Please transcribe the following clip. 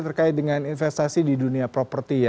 terkait dengan investasi di dunia properti ya